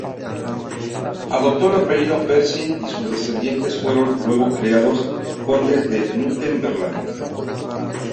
Adoptó el apellido Percy y sus descendientes fueron luego creados Condes de Northumberland.